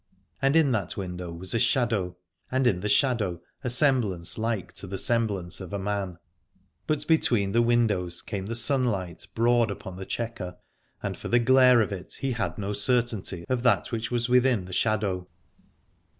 And in that window was a shadow, and in the shadow a semblance like to the semblance of a man : but between the windows 122 Aladore came the sunlight broad upon the chequer, and for the glare of it he had no certainty of that which was within the shadow.